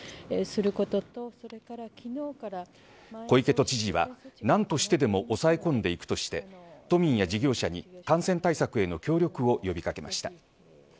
小池都知事は何としてでも抑え込んでいくとして都民や事業者に感染対策への協力を呼び掛けました。